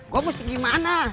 gua mau segimana